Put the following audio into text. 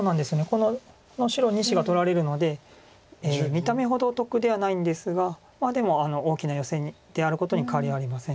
この白２子が取られるので見た目ほど得ではないんですがまあでも大きなヨセであることに変わりありません。